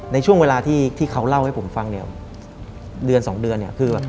ในช่วงเวลาที่เขาเล่าให้ผมฟังเดือนสองเดือน